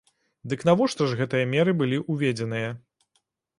Дык навошта ж гэтыя меры былі ўведзеныя?